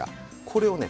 これをね